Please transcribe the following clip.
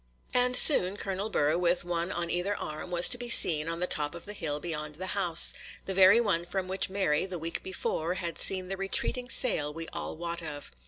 And soon Colonel Burr, with one on either arm, was to be seen on the top of the hill beyond the house,—the very one from which Mary, the week before, had seen the retreating sail we all wot of.